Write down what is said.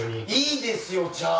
いいですよじゃあ！